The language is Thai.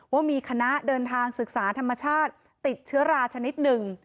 ว่ามีคณะเดินทางศึกษาธรรมชาติติดเชื้อราชนิดหนึ่ง